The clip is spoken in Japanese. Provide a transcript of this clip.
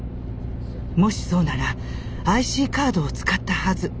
もしそうならＩＣカードを使ったはず。